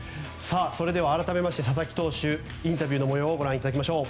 それでは改めまして佐々木投手インタビューの模様をご覧いただきましょう。